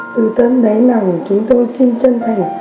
từ tấn đáy lòng chúng tôi xin chân thành